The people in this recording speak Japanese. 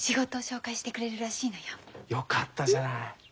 よかったじゃない。